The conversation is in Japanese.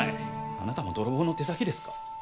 あなたも泥棒の手先ですか？